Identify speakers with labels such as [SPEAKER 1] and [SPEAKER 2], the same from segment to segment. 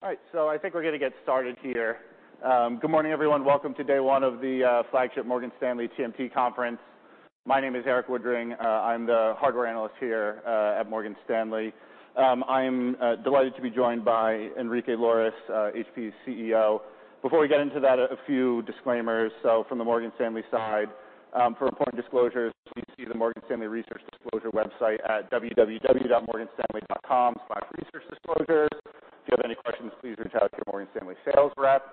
[SPEAKER 1] All right. I think we're gonna get started here. Good morning, everyone. Welcome to day one of The Flagship Morgan Stanley TMT Conference. My name is Erik Woodring. I'm the hardware analyst here at Morgan Stanley. I'm delighted to be joined by Enrique Lores, HP's CEO. Before we get into that, a few disclaimers. From the Morgan Stanley side, for important disclosures, please see the Morgan Stanley Research Disclosure website at www.morganstanley.com/researchdisclosure. If you have any questions, please reach out to your Morgan Stanley sales rep.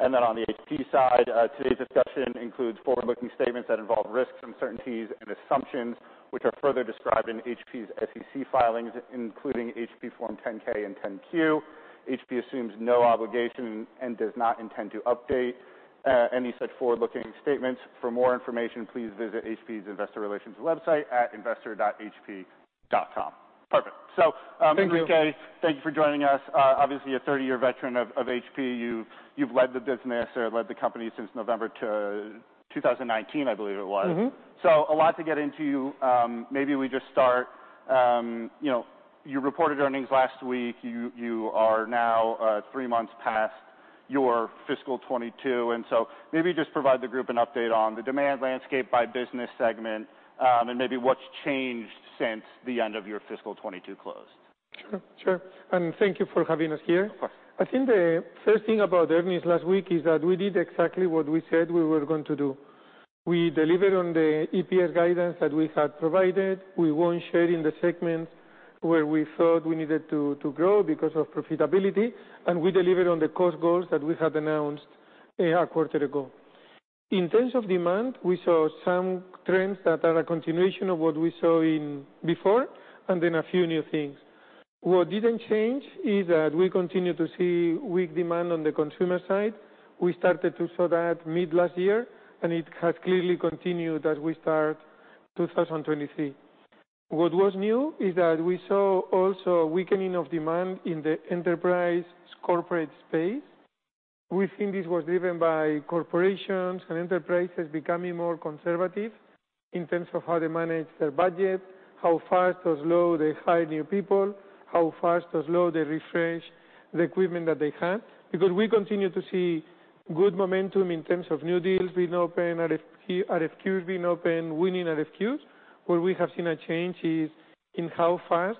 [SPEAKER 1] On the HP side, today's discussion includes forward-looking statements that involve risks, uncertainties, and assumptions, which are further described in HP's SEC filings, including HP Form 10-K and 10-Q. HP assumes no obligation and does not intend to update any such forward-looking statements. For more information, please visit HP's investor relations website at investor.hp.com. Perfect.
[SPEAKER 2] Thank you.
[SPEAKER 1] Enrique, thank you for joining us. Obviously a 30-year veteran of HP. You've led the business or led the company since November to 2019, I believe it was.
[SPEAKER 2] Mm-hmm.
[SPEAKER 1] A lot to get into. Maybe we just start. You reported earnings last week. You, you are now, three months past your fiscal 2022, and so maybe just provide the group an update on the demand landscape by business segment, and maybe what's changed since the end of your fiscal 2022 close.
[SPEAKER 2] Sure. Sure. Thank you for having us here.
[SPEAKER 1] Of course.
[SPEAKER 2] I think the first thing about the earnings last week is that we did exactly what we said we were going to do. We delivered on the EPS guidance that we had provided. We won't share in the segments where we thought we needed to grow because of profitability. We delivered on the cost goals that we had announced a quarter ago. In terms of demand, we saw some trends that are a continuation of what we saw in before. A few new things. What didn't change is that we continue to see weak demand on the consumer side. We started to saw that mid last year. It has clearly continued as we start 2023. What was new is that we saw also a weakening of demand in the enterprise corporate space. We think this was driven by corporations and enterprises becoming more conservative in terms of how they manage their budget, how fast or slow they hire new people, how fast or slow they refresh the equipment that they have. We continue to see good momentum in terms of new deals being open, RFQ, RFQs being open, winning RFQs. Where we have seen a change is in how fast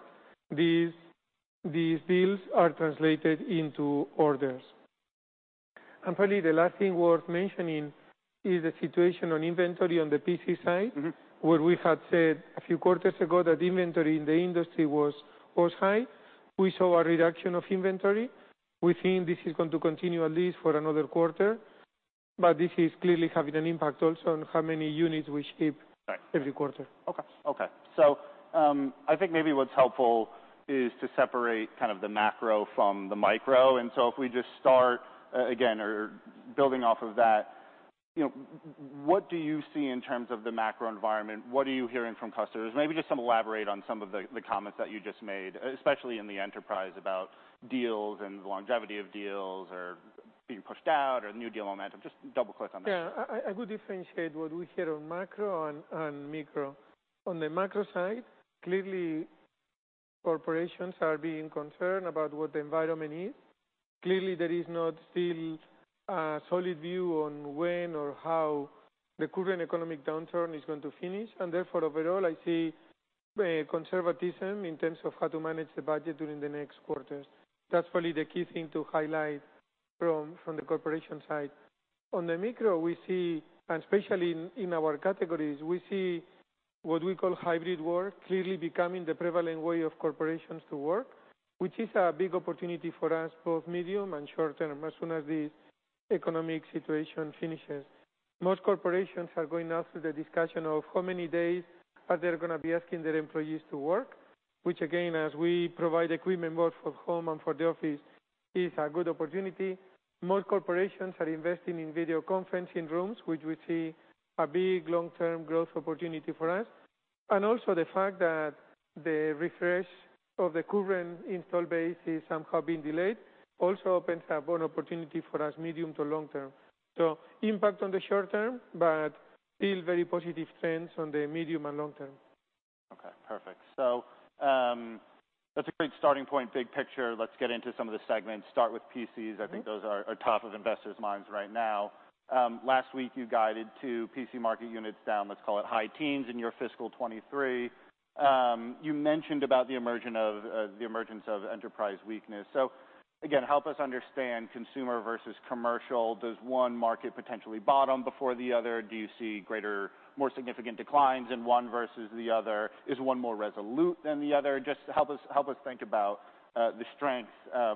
[SPEAKER 2] these deals are translated into orders. Probably the last thing worth mentioning is the situation on inventory on the PC side.
[SPEAKER 1] Mm-hmm.
[SPEAKER 2] Where we had said a few quarters ago that inventory in the industry was high. We saw a reduction of inventory. We think this is going to continue at least for another quarter, but this is clearly having an impact also on how many units we ship.
[SPEAKER 1] Right.
[SPEAKER 2] Every quarter.
[SPEAKER 1] Okay. I think maybe what's helpful is to separate kind of the macro from the micro. If we just start, again or building off of that what do you see in terms of the macro environment? What are you hearing from customers? Maybe just elaborate on some of the comments that you just made, especially in the enterprise about deals and the longevity of deals or being pushed out or new deal momentum. Just double-click on that.
[SPEAKER 2] I would differentiate what we hear on macro and micro. On the macro side, clearly corporations are being concerned about what the environment is. Clearly, there is not still a solid view on when or how the current economic downturn is going to finish, and therefore, overall, I see conservatism in terms of how to manage the budget during the next quarters. That's probably the key thing to highlight from the corporation side. On the micro we see, and especially in our categories, we see what we call hybrid work clearly becoming the prevalent way of corporations to work, which is a big opportunity for us, both medium and short-term, as soon as the economic situation finishes. Most corporations are going now through the discussion of how many days are they gonna be asking their employees to work, which again, as we provide equipment both for home and for the office, is a good opportunity. Most corporations are investing in video conferencing rooms, which we see a big long-term growth opportunity for us. Also the fact that the refresh of the current install base is somehow being delayed also opens up an opportunity for us medium to long term. Impact on the short term, but still very positive trends on the medium and long term.
[SPEAKER 1] Okay, perfect. That's a great starting point, big picture. Let's get into some of the segments. Start with PCs.
[SPEAKER 2] Mm-hmm.
[SPEAKER 1] I think those are top of investors' minds right now. Last week you guided to PC market units down, let's call it high teens in your fiscal 2023. You mentioned about the immersion of the emergence of enterprise weakness. Again, help us understand consumer versus commercial. Does one market potentially bottom before the other? Do you see greater, more significant declines in one versus the other? Is one more resolute than the other? Just help us think about the strength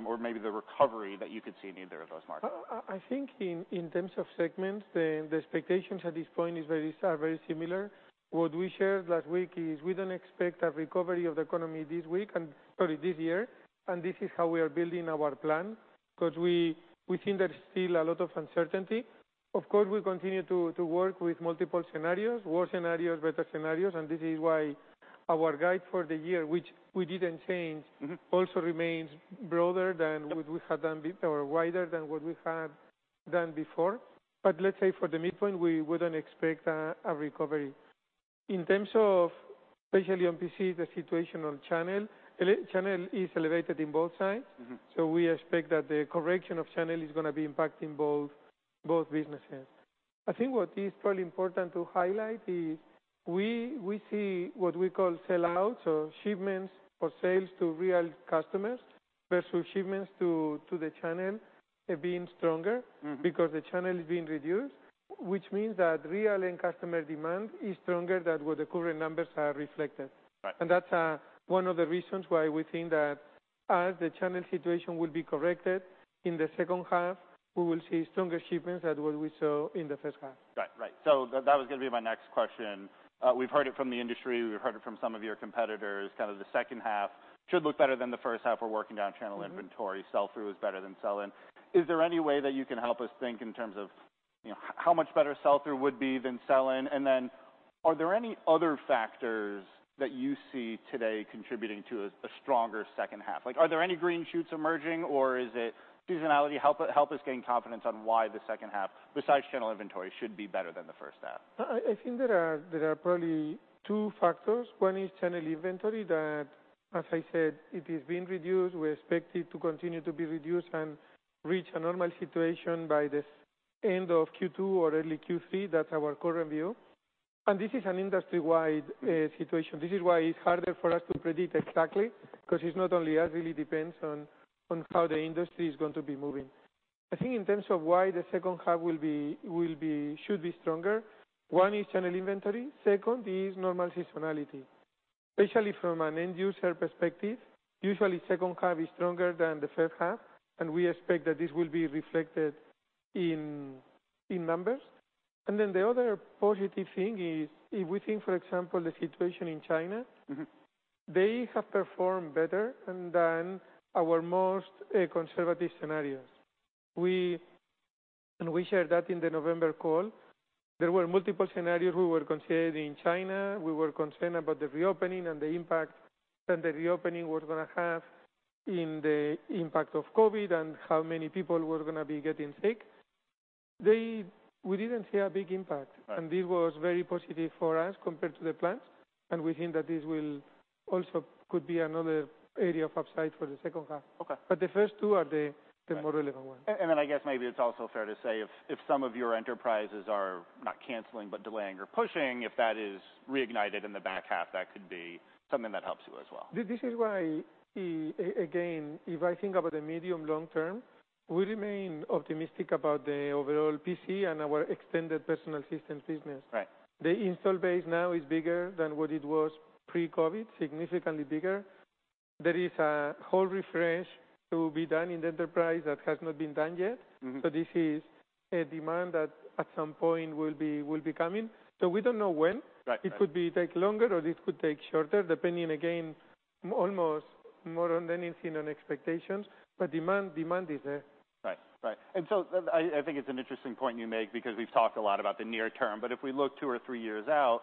[SPEAKER 1] or maybe the recovery that you could see in either of those markets.
[SPEAKER 2] I think in terms of segments, the expectations at this point are very similar. What we shared last week is we don't expect a recovery of the economy this year. This is how we are building our plan, because we think there's still a lot of uncertainty. Of course, we'll continue to work with multiple scenarios, worst scenarios, better scenarios. This is why our guide for the year, which we didn't change...
[SPEAKER 1] Mm-hmm.
[SPEAKER 2] remains broader than what we had done or wider than what we had done before. let's say for the midpoint, we wouldn't expect a recovery. In terms of, especially on PC, the situation on channel. E-channel is elevated in both sides.
[SPEAKER 1] Mm-hmm.
[SPEAKER 2] We expect that the correction of channel is gonna be impacting both businesses. I think what is probably important to highlight is we see what we call sell out, so shipments or sales to real customers versus shipments to the channel are being stronger.
[SPEAKER 1] Mm.
[SPEAKER 2] Because the channel is being reduced, which means that real end customer demand is stronger than what the current numbers have reflected.
[SPEAKER 1] Right.
[SPEAKER 2] That's one of the reasons why we think that as the channel situation will be corrected in the second half, we will see stronger shipments than what we saw in the first half.
[SPEAKER 1] Right. That was gonna be my next question. We've heard it from the industry, we've heard it from some of your competitors, kind of the second half should look better than the first half. We're working down channel inventory.
[SPEAKER 2] Mm-hmm.
[SPEAKER 1] Sell-through is better than sell-in. Is there any way that you can help us think in terms of how much better sell-through would be than sell-in? Are there any other factors that you see today contributing to a stronger second half? Like, are there any green shoots emerging, or is it seasonality? Help us gain confidence on why the second half, besides general inventory, should be better than the first half.
[SPEAKER 2] I think there are probably two factors. One is general inventory that, as I said, it is being reduced. We expect it to continue to be reduced and reach a normal situation by the end of Q2 or early Q3. That's our current view. This is an industry-wide situation. This is why it's harder for us to predict exactly, 'cause it's not only us, really depends on how the industry is going to be moving. I think in terms of why the second half should be stronger, one is general inventory. Second is normal seasonality. Especially from an end user perspective, usually second half is stronger than the first half, we expect that this will be reflected in numbers. The other positive thing is if we think, for example, the situation in China,
[SPEAKER 1] Mm-hmm.
[SPEAKER 2] They have performed better than our most conservative scenarios. We shared that in the November call. There were multiple scenarios we were considering in China. We were concerned about the reopening and the impact that the reopening was gonna have in the impact of COVID, and how many people were gonna be getting sick. We didn't see a big impact.
[SPEAKER 1] Right.
[SPEAKER 2] This was very positive for us compared to the plans, and we think that this will also could be another area of upside for the second half.
[SPEAKER 1] Okay.
[SPEAKER 2] The first two are the more relevant ones.
[SPEAKER 1] I guess maybe it's also fair to say if some of your enterprises are not canceling, but delaying or pushing, if that is reignited in the back half, that could be something that helps you as well.
[SPEAKER 2] This is why, again, if I think about the medium long term, we remain optimistic about the overall PC and our extended personal systems business.
[SPEAKER 1] Right.
[SPEAKER 2] The install base now is bigger than what it was pre-COVID, significantly bigger. There is a whole refresh to be done in the enterprise that has not been done yet.
[SPEAKER 1] Mm-hmm.
[SPEAKER 2] This is a demand that at some point will be coming. We don't know when.
[SPEAKER 1] Right.It could be take longer or it could take shorter, depending again, almost more than anything on expectations, but demand is there. Right. I think it's an interesting point you make because we've talked a lot about the near term, but if we look two or three years out,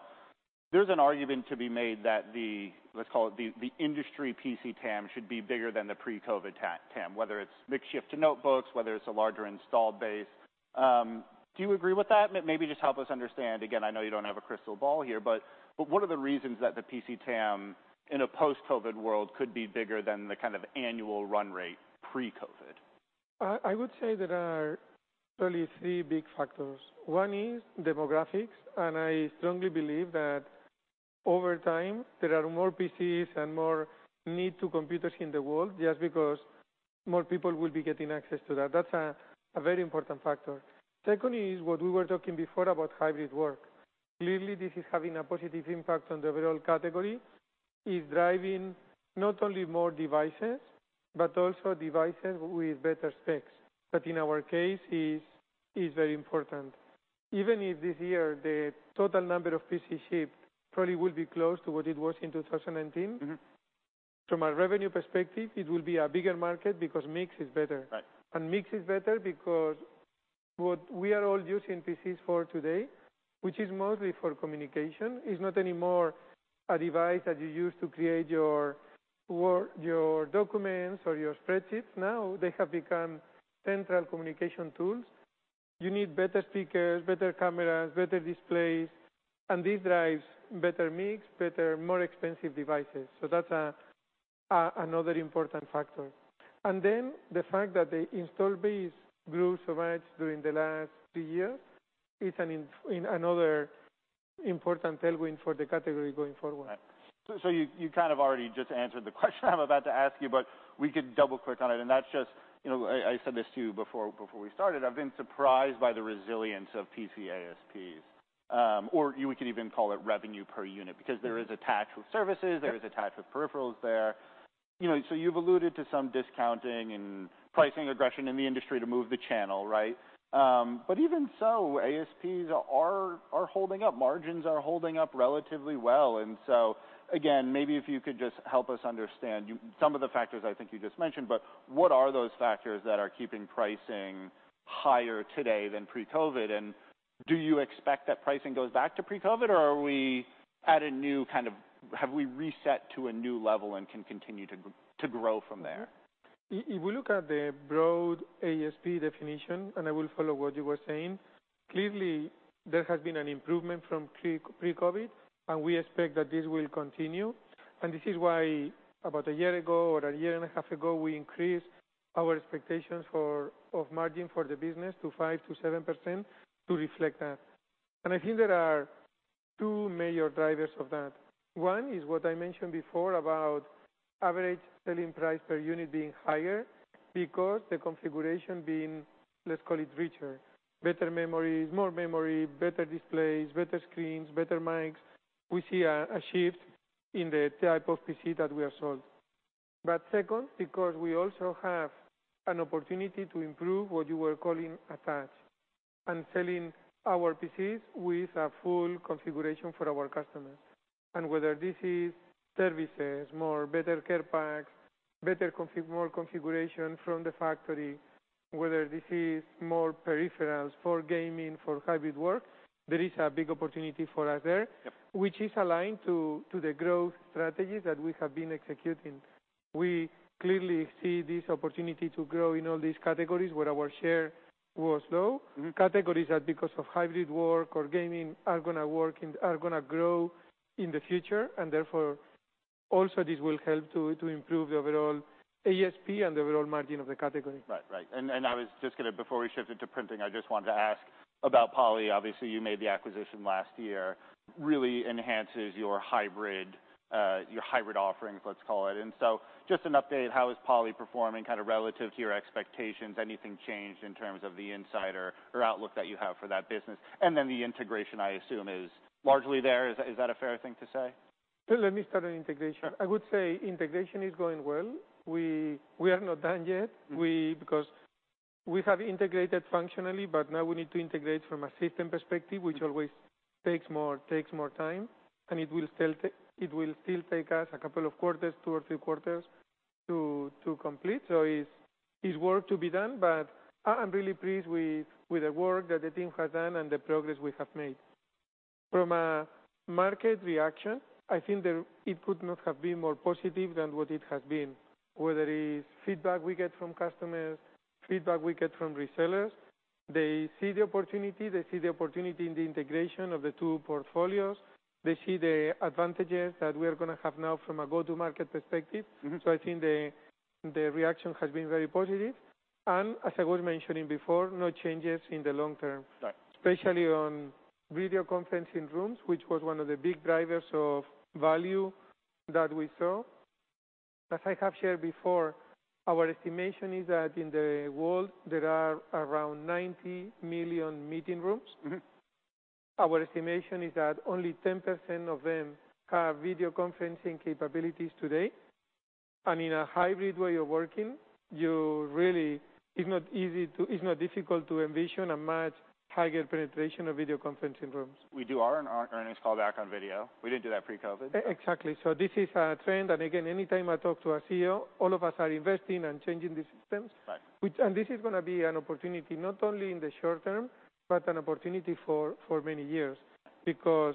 [SPEAKER 1] there's an argument to be made that the industry PC TAM should be bigger than the pre-COVID TAM, whether it's mix shift to notebooks, whether it's a larger install base. Do you agree with that? Maybe just help us understand, again, I know you don't have a crystal ball here, but what are the reasons that the PC TAM in a post-COVID world could be bigger than the kind of annual run rate pre-COVID?
[SPEAKER 2] I would say there are probably 3 big factors. One is demographics, and I strongly believe that over time there are more PCs and more need to computers in the world just because more people will be getting access to that. That's a very important factor. Secondly is what we were talking before about hybrid work. Clearly this is having a positive impact on the overall category. It's driving not only more devices, but also devices with better specs. In our case is very important. Even if this year the total number of PC shipped probably will be close to what it was in 2019.
[SPEAKER 1] Mm-hmm.
[SPEAKER 2] From a revenue perspective, it will be a bigger market because mix is better.
[SPEAKER 1] Right.
[SPEAKER 2] Mix is better because what we are all using PCs for today, which is mostly for communication, is not anymore a device that you use to create your work, your documents or your spreadsheets. They have become central communication tools. You need better speakers, better cameras, better displays, this drives better mix, better, more expensive devices. That's another important factor. The fact that the install base grew so much during the last two years is another important tailwind for the category going forward.
[SPEAKER 1] You kind of already just answered the question I'm about to ask you, but we could double-click on it, and that's just I said this to you before we started. I've been surprised by the resilience of PC ASPs, or we could even call it revenue per unit because there is attach with services, there is attach with peripherals there. You've alluded to some discounting and pricing aggression in the industry to move the channel, right? Even so, ASPs are holding up. Margins are holding up relatively well. Again, maybe if you could just help us understand some of the factors I think you just mentioned, but what are those factors that are keeping pricing higher today than pre-COVID? Do you expect that pricing goes back to pre-COVID, or have we reset to a new level and can continue to grow from there?
[SPEAKER 2] If we look at the broad ASP definition, I will follow what you were saying, clearly there has been an improvement from pre-COVID, we expect that this will continue. This is why about a year ago or a year and a half ago, we increased our expectations of margin for the business to 5%-7% to reflect that. I think there are two major drivers of that. One is what I mentioned before about average selling price per unit being higher because the configuration being, let's call it richer. Better memories, more memory, better displays, better screens, better mics. We see a shift in the type of PC that we are sold. Second, because we also have an opportunity to improve what you were calling attach and selling our PCs with a full configuration for our customers. Whether this is services, more better care packs, more configuration from the factory, whether this is more peripherals for gaming, for hybrid work, there is a big opportunity for us there.
[SPEAKER 1] Yep.
[SPEAKER 2] which is aligned to the growth strategies that we have been executing. We clearly see this opportunity to grow in all these categories where our share was low.
[SPEAKER 1] Mm-hmm.
[SPEAKER 2] Categories that because of hybrid work or gaming are gonna work and are gonna grow in the future. Therefore, also this will help to improve the overall ASP and the overall margin of the category.
[SPEAKER 1] Right. And I was just gonna Before we shift into printing, I just wanted to ask about Poly. Obviously, you made the acquisition last year. Really enhances your hybrid, your hybrid offerings, let's call it. Just an update, how is Poly performing kind of relative to your expectations? Anything changed in terms of the insight or outlook that you have for that business? Then the integration I assume is largely there. Is that a fair thing to say?
[SPEAKER 2] Let me start on integration.
[SPEAKER 1] Sure.
[SPEAKER 2] I would say integration is going well. We are not done yet.
[SPEAKER 1] Mm-hmm.
[SPEAKER 2] Because we have integrated functionally, but now we need to integrate from a system perspective, which always takes more time, and it will still take us a couple of quarters, two or three quarters to complete. It's work to be done, but I'm really pleased with the work that the team has done and the progress we have made. From a market reaction, I think that it could not have been more positive than what it has been. Whether it's feedback we get from customers, feedback we get from resellers. They see the opportunity in the integration of the two portfolios. They see the advantages that we are gonna have now from a go-to market perspective.
[SPEAKER 1] Mm-hmm.
[SPEAKER 2] I think the reaction has been very positive. As I was mentioning before, no changes in the long term.
[SPEAKER 1] Right.
[SPEAKER 2] Especially on video conferencing rooms, which was one of the big drivers of value that we saw. As I have shared before, our estimation is that in the world there are around 90 million meeting rooms.
[SPEAKER 1] Mm-hmm.
[SPEAKER 2] Our estimation is that only 10% of them have video conferencing capabilities today. In a hybrid way of working, it's not difficult to envision a much higher penetration of video conferencing rooms.
[SPEAKER 1] We do our own earnings call back on video. We didn't do that pre-COVID.
[SPEAKER 2] Exactly. This is a trend. Again, anytime I talk to a CEO, all of us are investing and changing the systems.
[SPEAKER 1] Right.
[SPEAKER 2] This is gonna be an opportunity not only in the short term, but an opportunity for many years. Because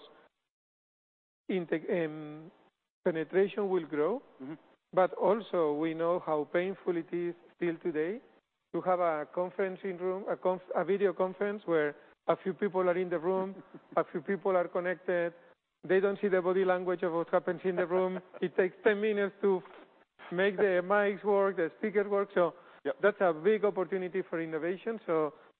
[SPEAKER 2] penetration will grow.
[SPEAKER 1] Mm-hmm.
[SPEAKER 2] Also we know how painful it is still today to have a conferencing room, a video conference where a few people are in the room, a few people are connected, they don't see the body language of what happens in the room. It takes 10 minutes to make the mics work, the speaker work.
[SPEAKER 1] Yep.
[SPEAKER 2] that's a big opportunity for innovation.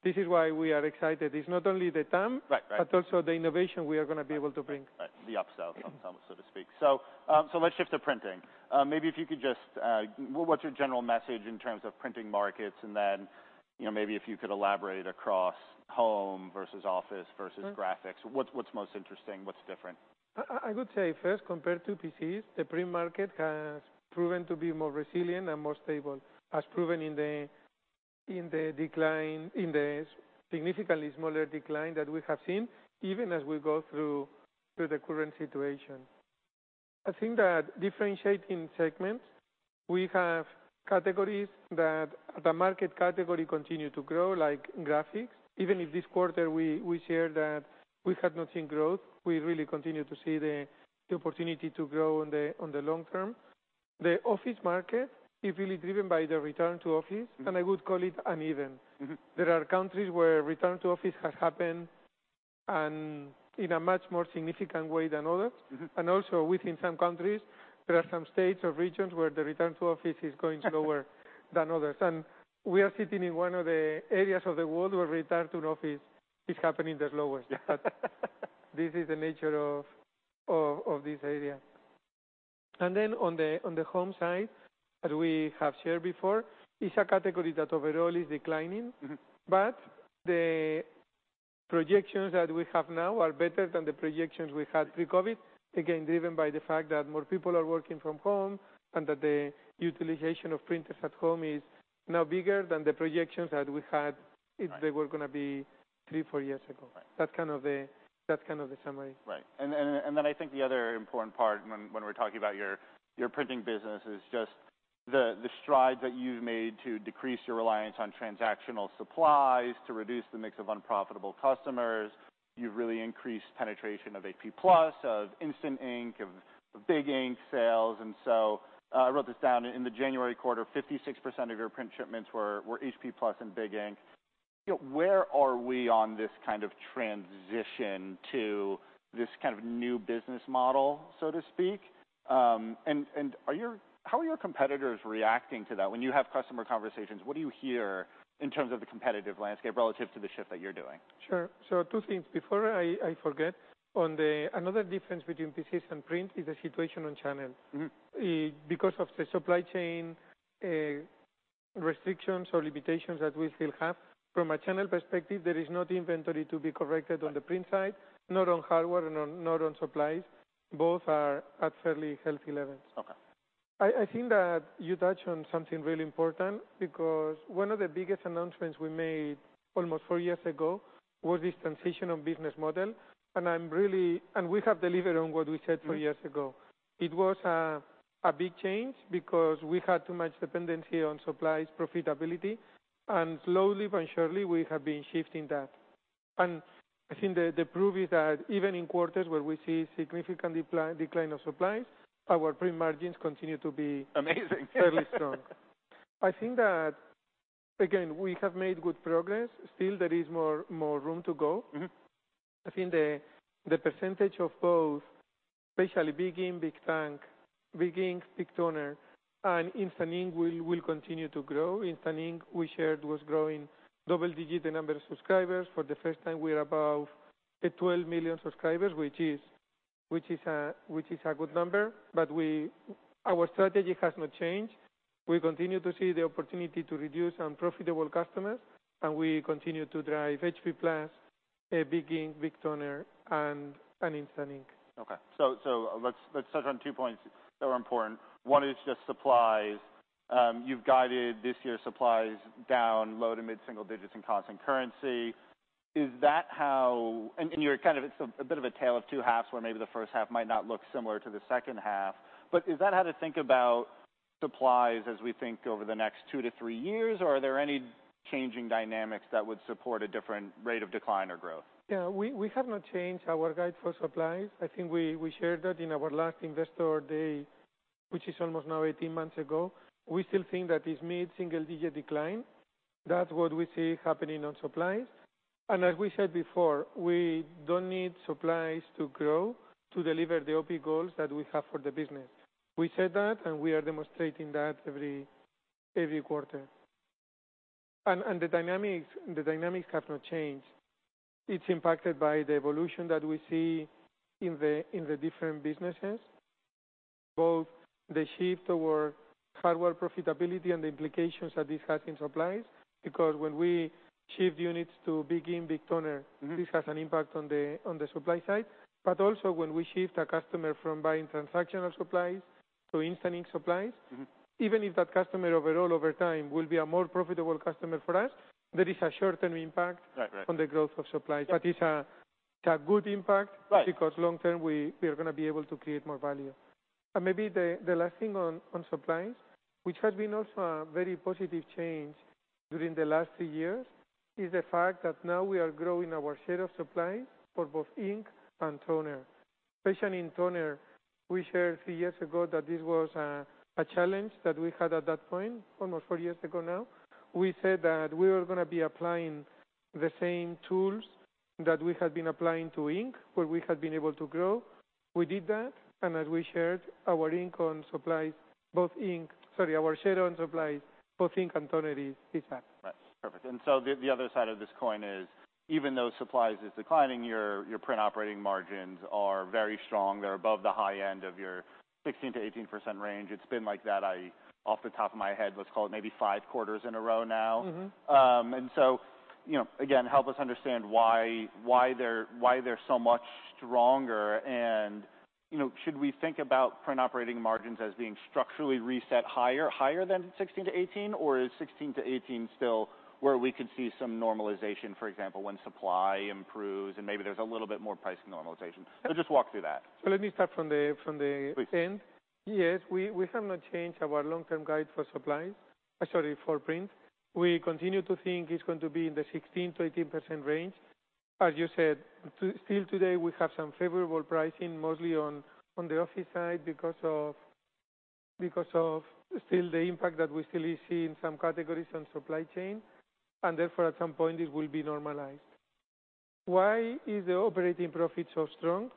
[SPEAKER 2] This is why we are excited. It's not only the term-
[SPEAKER 1] Right.
[SPEAKER 2] also the innovation we are gonna be able to bring.
[SPEAKER 1] Right. The upsell, so to speak. Let's shift to printing. Maybe if you could just, what's your general message in terms of printing markets? Then maybe if you could elaborate across home versus office versus graphics. What's most interesting, what's different?
[SPEAKER 2] I would say first, compared to PCs, the print market has proven to be more resilient and more stable, as proven in the decline, in the significantly smaller decline that we have seen, even as we go through the current situation. I think that differentiating segments, we have categories that the market category continue to grow, like graphics. Even if this quarter we share that we had not seen growth, we really continue to see the opportunity to grow on the long term. The office market is really driven by the return to office, and I would call it uneven.
[SPEAKER 1] Mm-hmm.
[SPEAKER 2] There are countries where return to office has happened and in a much more significant way than others.
[SPEAKER 1] Mm-hmm.
[SPEAKER 2] Also within some countries, there are some states or regions where the return to office is going slower than others. We are sitting in one of the areas of the world where return to office is happening the slowest.
[SPEAKER 1] Yeah.
[SPEAKER 2] This is the nature of this area. On the, on the home side, as we have shared before, it's a category that overall is declining.
[SPEAKER 1] Mm-hmm.
[SPEAKER 2] The projections that we have now are better than the projections we had pre-COVID. Again, driven by the fact that more people are working from home, and that the utilization of printers at home is now bigger than the projections that we had if they were gonna be three, four years ago.
[SPEAKER 1] Right.
[SPEAKER 2] That's kind of the, that's kind of the summary.
[SPEAKER 1] Right. And then I think the other important part when we're talking about your printing business is the strides that you've made to decrease your reliance on transactional supplies to reduce the mix of unprofitable customers. You've really increased penetration of HP Plus, of Instant Ink, of big ink sales. I wrote this down, in the January quarter, 56% of your print shipments were HP Plus and big ink. Where are we on this kind of transition to this kind of new business model, so to speak? How are your competitors reacting to that? When you have customer conversations, what do you hear in terms of the competitive landscape relative to the shift that you're doing?
[SPEAKER 2] Sure. Two things. Before I forget. Another difference between PCs and print is the situation on channel.
[SPEAKER 1] Mm-hmm.
[SPEAKER 2] Because of the supply chain restrictions or limitations that we still have, from a channel perspective, there is no inventory to be corrected on the print side, not on hardware and not on supplies. Both are at fairly healthy levels.
[SPEAKER 1] Okay.
[SPEAKER 2] I think that you touched on something really important because one of the biggest announcements we made almost four years ago was this transition of business model. We have delivered on what we said three years ago. It was a big change because we had too much dependency on supplies profitability, and slowly but surely, we have been shifting that. I think the proof is that even in quarters where we see significant decline of supplies, our pre-margins continue to be.
[SPEAKER 1] Amazing.
[SPEAKER 2] fairly strong. I think that, again, we have made good progress. Still there is more room to go.
[SPEAKER 1] Mm-hmm.
[SPEAKER 2] I think the percentage of both, especially big ink, big tank, big ink, big toner and Instant Ink will continue to grow. Instant Ink, we shared, was growing double digit the number of subscribers. For the first time, we're above the 12 million subscribers, which is a good number. Our strategy has not changed. We continue to see the opportunity to reduce unprofitable customers, and we continue to drive HP+, big ink, big toner and Instant Ink.
[SPEAKER 1] Let's touch on two points that are important. One is just supplies. You've guided this year's supplies down low to mid-single digits in constant currency. Is that how... you're kind of it's a bit of a tale of two halves, where maybe the first half might not look similar to the second half. Is that how to think about supplies as we think over the next two to three years, or are there any changing dynamics that would support a different rate of decline or growth?
[SPEAKER 2] Yeah. We have not changed our guide for supplies. I think we shared that in our last investor day, which is almost now 18 months ago. We still think that it's mid-single digit decline. That's what we see happening on supplies. As we said before, we don't need supplies to grow to deliver the OP goals that we have for the business. We said that, and we are demonstrating that every quarter. The dynamics have not changed. It's impacted by the evolution that we see in the different businesses, both the shift toward hardware profitability and the implications that this has in supplies, because when we shift units to big ink, big toner-
[SPEAKER 1] Mm-hmm.
[SPEAKER 2] this has an impact on the, on the supply side. Also, when we shift a customer from buying transactional supplies to Instant Ink supplies.
[SPEAKER 1] Mm-hmm.
[SPEAKER 2] Even if that customer overall over time will be a more profitable customer for us, there is a short-term impact.
[SPEAKER 1] Right.
[SPEAKER 2] on the growth of supplies. It's a good impact.
[SPEAKER 1] Right.
[SPEAKER 2] because long term, we are gonna be able to create more value. Maybe the last thing on supplies, which has been also a very positive change during the last three years, is the fact that now we are growing our share of supplies for both ink and toner. Especially in toner, we shared three years ago that this was a challenge that we had at that point, almost four years ago now. We said that we were gonna be applying the same tools that we had been applying to ink, where we had been able to grow. We did that, as we shared, our share on supplies, both ink and toner is back.
[SPEAKER 1] Right. Perfect. The other side of this coin is even though supplies is declining, your print operating margins are very strong. They're above the high end of your 16%-18% range. It's been like that off the top of my head, let's call it maybe five quarters in a row now.
[SPEAKER 2] Mm-hmm.
[SPEAKER 1] Again, help us understand why they're so much stronger and should we think about print operating margins as being structurally reset higher than 16%-18%? Or is 16%-18% still where we could see some normalization, for example, when supply improves and maybe there's a little bit more price normalization? Just walk through that.
[SPEAKER 2] Let me start from the, from the end.
[SPEAKER 1] Please.
[SPEAKER 2] Yes, we have not changed our long-term guide for supplies. Sorry, for print. We continue to think it's going to be in the 16%-18% range. As you said, still today we have some favorable pricing, mostly on the office side because of still the impact that we still is seeing some categories on supply chain, and therefore, at some point, it will be normalized. Why is the operating profit so strong?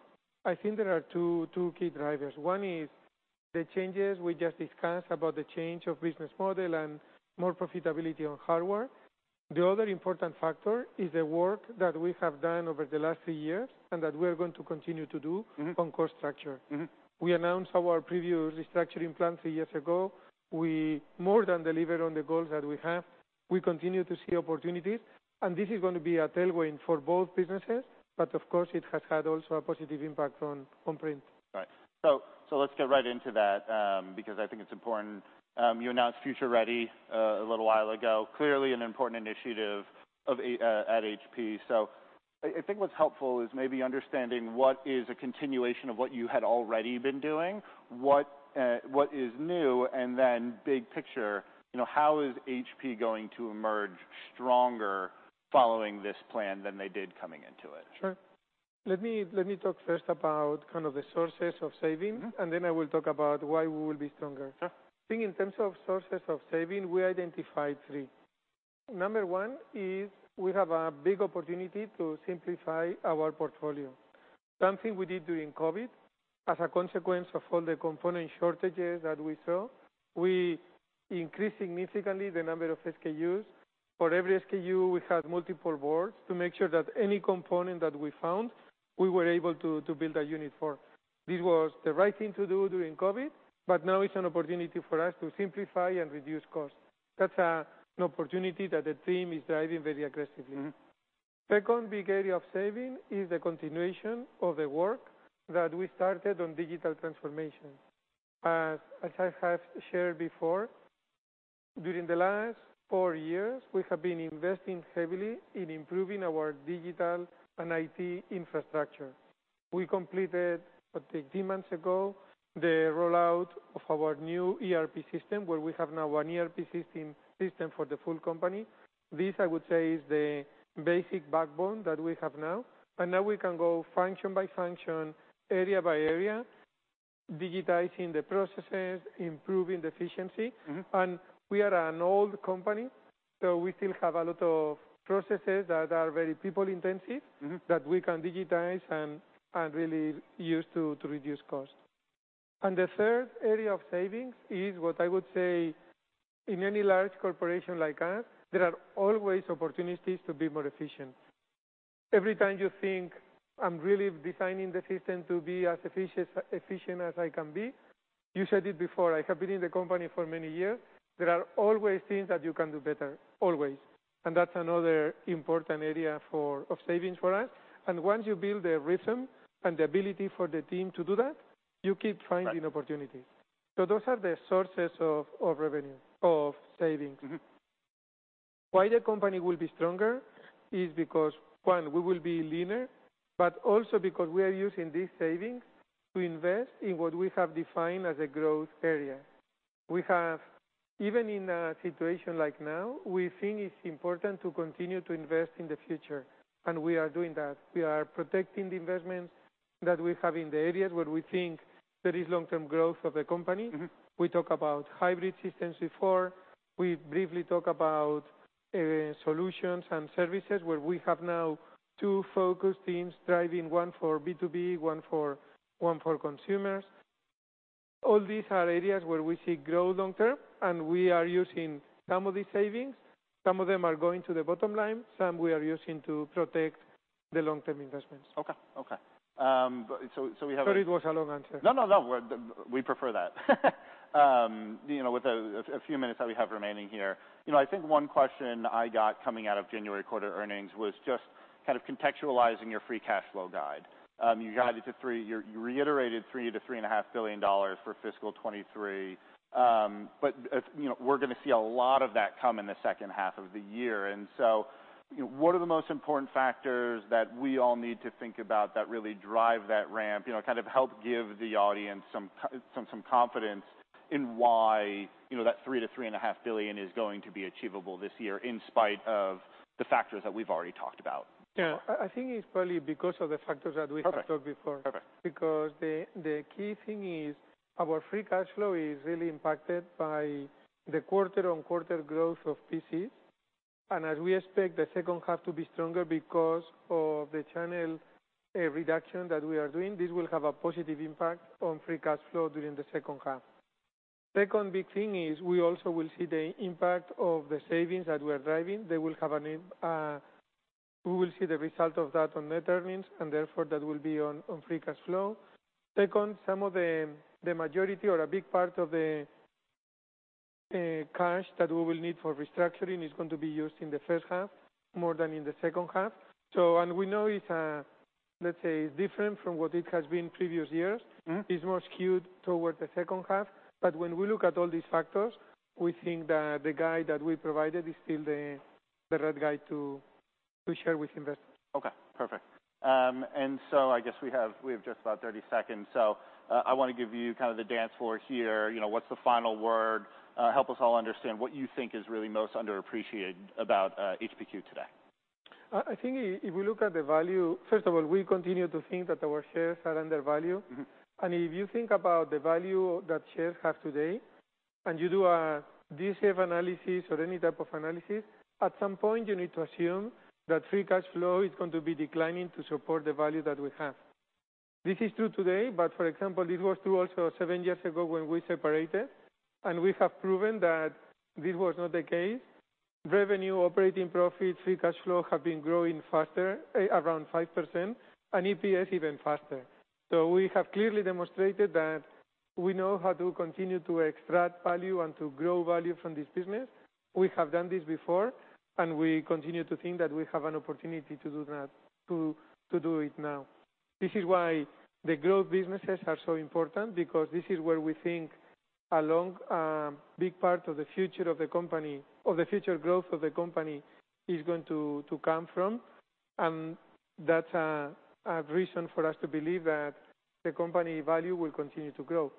[SPEAKER 2] I think there are two key drivers. One is the changes we just discussed about the change of business model and more profitability on hardware. The other important factor is the work that we have done over the last three years and that we are going to continue to do.
[SPEAKER 1] Mm-hmm.
[SPEAKER 2] on core structure.
[SPEAKER 1] Mm-hmm.
[SPEAKER 2] We announced our previous restructuring plan three years ago. We more than delivered on the goals that we have. We continue to see opportunities. This is gonna be a tailwind for both businesses. Of course, it has had also a positive impact on print.
[SPEAKER 1] Right. Let's get right into that, because I think it's important. You announced Future Ready a little while ago. Clearly an important initiative at HP. I think what's helpful is maybe understanding what is a continuation of what you had already been doing, what is new, and then big picture how is HP going to emerge stronger following this plan than they did coming into it?
[SPEAKER 2] Sure. Let me talk first about kind of the sources of.
[SPEAKER 1] Mm-hmm.
[SPEAKER 2] I will talk about why we will be stronger.
[SPEAKER 1] Sure.
[SPEAKER 2] In terms of sources of saving, we identified three. Number one is we have a big opportunity to simplify our portfolio. Something we did during COVID, as a consequence of all the component shortages that we saw, we increased significantly the number of SKUs. For every SKU, we had multiple boards to make sure that any component that we found, we were able to build a unit for. This was the right thing to do during COVID, now it's an opportunity for us to simplify and reduce costs. That's an opportunity that the team is driving very aggressively.
[SPEAKER 1] Mm-hmm.
[SPEAKER 2] Second big area of saving is the continuation of the work that we started on digital transformation. As I have shared before, during the last four years, we have been investing heavily in improving our digital and IT infrastructure. We completed, I think three months ago, the rollout of our new ERP system, where we have now one ERP system for the full company. This, I would say, is the basic backbone that we have now, and now we can go function by function, area by area, digitizing the processes, improving the efficiency.
[SPEAKER 1] Mm-hmm.
[SPEAKER 2] we are an old company, so we still have a lot of processes that are very people-intensive.
[SPEAKER 1] Mm-hmm
[SPEAKER 2] that we can digitize and really use to reduce cost. The third area of savings is what I would say in any large corporation like us, there are always opportunities to be more efficient. Every time you think I'm really designing the system to be as efficient as I can be, you said it before, I have been in the company for many years, there are always things that you can do better, always. That's another important area of savings for us. Once you build the rhythm and the ability for the team to do that, you keep finding opportunities.
[SPEAKER 1] Right.
[SPEAKER 2] Those are the sources of savings.
[SPEAKER 1] Mm-hmm.
[SPEAKER 2] Why the company will be stronger is because, one, we will be leaner. Also because we are using these savings to invest in what we have defined as a growth area. Even in a situation like now, we think it's important to continue to invest in the future. We are doing that. We are protecting the investments that we have in the areas where we think there is long-term growth of the company.
[SPEAKER 1] Mm-hmm.
[SPEAKER 2] We talk about hybrid systems before. We briefly talk about solutions and services, where we have now two focus teams driving, one for B2B, one for consumers. All these are areas where we see growth long term, and we are using some of these savings. Some of them are going to the bottom line, some we are using to protect the long-term investments.
[SPEAKER 1] Okay. Okay. So we have.
[SPEAKER 2] Sorry it was a long answer.
[SPEAKER 1] No, no. We prefer that with a few minutes that we have remaining here, I think one question I got coming out of January quarter earnings was just kind of contextualizing your free cash flow guide. You reiterated $3 billion to three and a half billion dollars for fiscal 2023. We're gonna see a lot of that come in the second half of the year. What are the most important factors that we all need to think about that really drive that ramp? Kind of help give the audience some confidence in why, that $3 billion to three and a half billion dollars is going to be achievable this year in spite of the factors that we've already talked about.
[SPEAKER 2] Yeah. I think it's probably because of the factors that we have talked before.
[SPEAKER 1] Perfect. Perfect.
[SPEAKER 2] Because the key thing is our free cash flow is really impacted by the quarter-over-quarter growth of PCs. As we expect the second half to be stronger because of the channel reduction that we are doing, this will have a positive impact on free cash flow during the second half. Second big thing is we also will see the impact of the savings that we're driving. They will have a we will see the result of that on net earnings, and therefore, that will be on free cash flow. Second, some of the majority or a big part of the cash that we will need for restructuring is going to be used in the first half more than in the second half. We know it's, let's say different from what it has been previous years.
[SPEAKER 1] Mm-hmm.
[SPEAKER 2] It's more skewed towards the second half. When we look at all these factors, we think that the guide that we provided is still the right guide to share with investors.
[SPEAKER 1] Okay. Perfect. I guess we have, we have just about 30 seconds. I wanna give you kind of the dance floor here. What's the final word? Help us all understand what you think is really most underappreciated about HPQ today.
[SPEAKER 2] I think if we look at the value. First of all, we continue to think that our shares are undervalued.
[SPEAKER 1] Mm-hmm.
[SPEAKER 2] If you think about the value that shares have today, and you do a DCF analysis or any type of analysis, at some point you need to assume that free cash flow is going to be declining to support the value that we have. This is true today, but for example, this was true also seven years ago when we separated, and we have proven that this was not the case. Revenue, operating profits, free cash flow have been growing faster, around 5%, and EPS even faster. We have clearly demonstrated that we know how to continue to extract value and to grow value from this business. We have done this before, and we continue to think that we have an opportunity to do that, to do it now. This is why the growth businesses are so important because this is where we think a long, big part of the future of the company or the future growth of the company is going to come from. That's a reason for us to believe that the company value will continue to grow.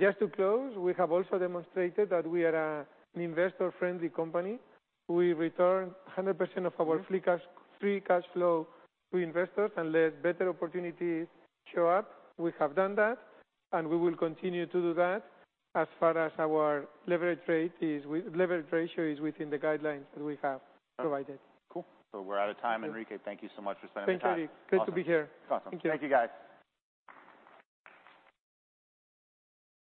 [SPEAKER 2] Just to close, we have also demonstrated that we are an investor-friendly company. We return 100% of our free cash flow to investors unless better opportunities show up. We have done that, and we will continue to do that as far as our leverage ratio is within the guidelines that we have provided.
[SPEAKER 1] Cool. We're out of time. Enrique, thank you so much for spending the time.
[SPEAKER 2] Thanks Erik. Good to be here.
[SPEAKER 1] Awesome.
[SPEAKER 2] Thank you.
[SPEAKER 1] Thank you, guys.